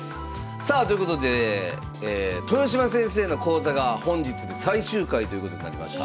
さあということで豊島先生の講座が本日で最終回ということになりました。